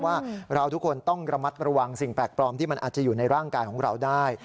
ว่าเราทุกคนต้องระมัดระวังสิ่งแปลกปลอมที่มันอาจจะอยู่ในร่างกายของเราได้